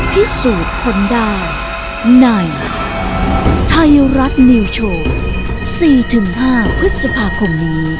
พิสูจน์คนได้ในไทยรัฐนิวโชว์๔๕พฤษภาคมนี้